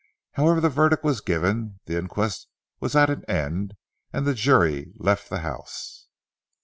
However the verdict was given, the inquest was at an end, and the jury left the house.